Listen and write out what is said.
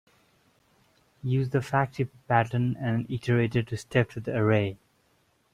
Use the factory pattern and an iterator to step through the array.